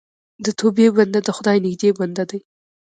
د توبې بنده د خدای نږدې بنده دی.